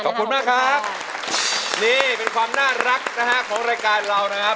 ขอบคุณมากครับนี่เป็นความน่ารักนะฮะของรายการเรานะครับ